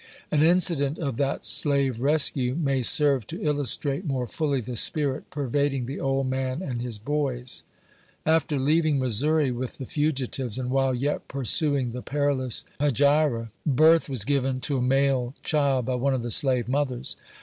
An incident of that slave rescue may serve to illustrate more fully the spirit pervading the old man arid his " boys." After leaving Missouri with the fugitives, and while yet pursuing the perilous hegira, birth was given to a male thild by one of the slave mothers.